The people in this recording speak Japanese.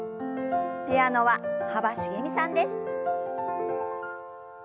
ピアノは幅しげみさんです。